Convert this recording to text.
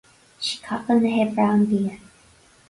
Sí capall na hoibre an bia